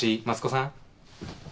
益子さん。